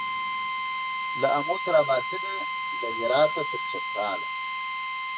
له آمو تر اباسینه له هراته تر چتراله